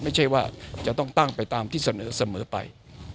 ไม่ใช่ว่าจะต้องตั้งไปตามที่เสนอไป